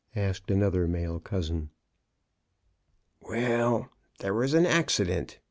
asked another male cousin. "Well, there was an accident.